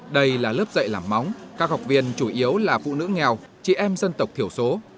đây là lớp dạy làm móng các học viên chủ yếu là phụ nữ nghèo chị em dân tộc thiểu số